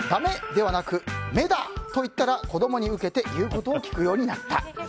ではなくめだ！といったら子供に受けて言うことを聞くようになった。